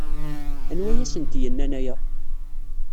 Anwa ay asent-yennan aya?